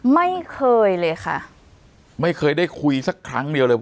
ไม่เคยเลยค่ะ